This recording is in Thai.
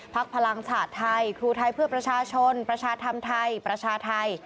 พลังชาติไทยครูไทยเพื่อประชาชนประชาธรรมไทยประชาไทย